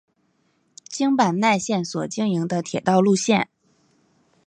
京阪奈线所经营的铁道路线。